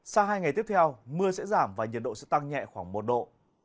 sau hai ngày tiếp theo mưa sẽ giảm và nhiệt độ sẽ tăng nhẹ khoảng một độ